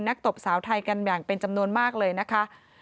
ตบสาวไทยกันแบ่งเป็นจำนวนมากเลยนะคะ